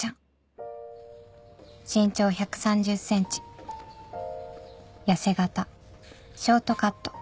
「身長１３０ｃｍやせ型ショートカット」